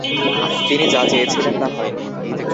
তিনি যা চেয়েছিলেন তা হয়নি।